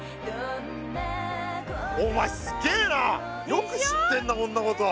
よく知ってんなこんなこと。